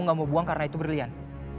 kamu gak mau buang karena itu berlian